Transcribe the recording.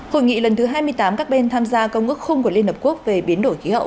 hội nghị lần thứ hai mươi tám các bên tham gia công ước khung của liên hợp quốc về biến đổi khí hậu